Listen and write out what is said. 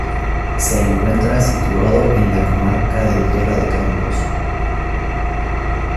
Se encuentra situado en la comarca de Tierra de Campos.